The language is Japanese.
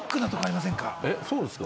そうですか？